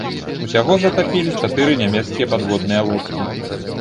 Усяго затапілі чатыры нямецкія падводныя лодкі.